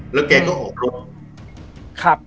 แล้วแกก็ออกลง